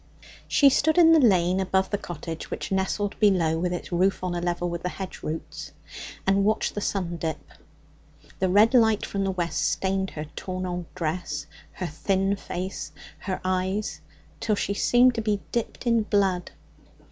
She stood in the lane above the cottage, which nestled below with its roof on a level with the hedge roots, and watched the sun dip. The red light from the west stained her torn old dress, her thin face, her eyes, till she seemed to be dipped in blood.